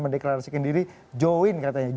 mendeklarasikan diri jowin katanya